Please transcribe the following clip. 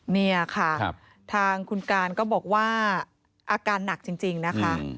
นี่ค่ะทางคุณการก็บอกว่าอาการหนักจริงนะคะ